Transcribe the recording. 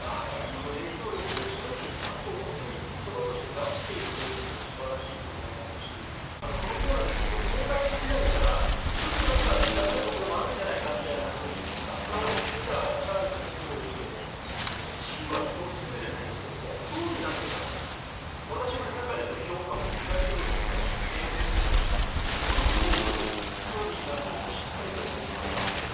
その影響力を恐れずにちゃんと表に言葉として出しているというのも素晴らしいと思いますしこのコーナーでずっと皇太子時代からちょっとだめなところもあるんじゃないかというふうに扱われてきたチャールズ国王ですけど地位は人を作るじゃないですが国王になってから私の中での評価もうなぎ登りと言ったら僭越ですけれどもものすごく頼りになるというかしっかりされてる方だなと。